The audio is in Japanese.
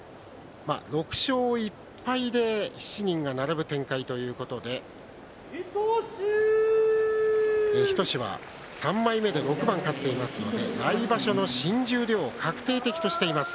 ６勝１敗で７人が並ぶ展開ということで日翔志は３枚目で６番勝っていますので来場所の新十両を確定的としています。